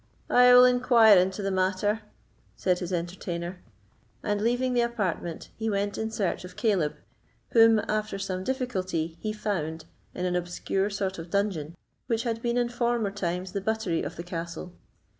"I will inquire into that matter," said his entertainer; and, leaving the apartment, he went in search of Caleb, whom, after some difficulty, he found in an obscure sort of dungeon, which had been in former times the buttery of the castle.